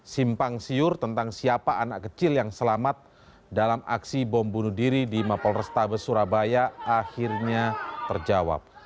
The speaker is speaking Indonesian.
simpang siur tentang siapa anak kecil yang selamat dalam aksi bom bunuh diri di mapol restabes surabaya akhirnya terjawab